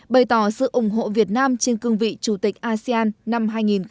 bày tỏ sự ủng hộ việt nam trên cương vị chủ tịch asean năm hai nghìn hai mươi